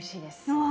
うわ。